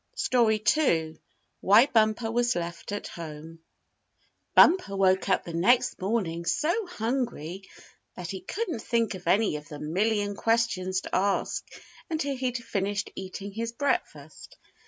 STORY II WHY BUMPER WAS LEFT AT HOME Bumper woke up the next morning so hungry that he couldn't think of any of the million questions to ask until he'd finished eating his breakfast.